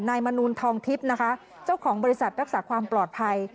มนูลทองทิพย์นะคะเจ้าของบริษัทรักษาความปลอดภัย